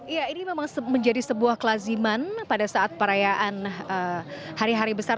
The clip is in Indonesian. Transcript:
ya ini memang menjadi sebuah kelaziman pada saat perayaan hari hari besar